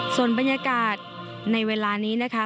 ส่วนบรรยากาศในเวลานี้นะคะ